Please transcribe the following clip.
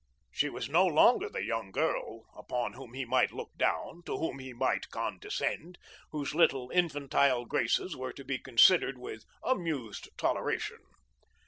She was no longer the young girl upon whom he might look down, to whom he might condescend, whose little, infantile graces were to be considered with amused toleration.